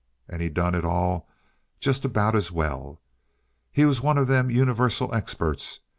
And he done it all just about as well. He was one of them universal experts.